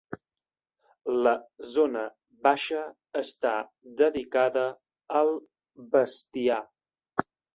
La zona baixa està dedicada al bestiar.